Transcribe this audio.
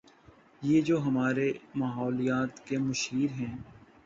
یہ جو ہمارے ماحولیات کے مشیر ہیں۔